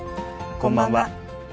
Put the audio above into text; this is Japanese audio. こんばんは。